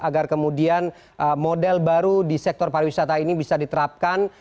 agar kemudian model baru di sektor pariwisata ini bisa diterapkan